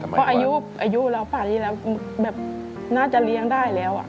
เพราะอายุเราป่านี้แล้วแบบน่าจะเลี้ยงได้แล้ว